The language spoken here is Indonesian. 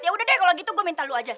ya udah deh kalau gitu gue minta lu aja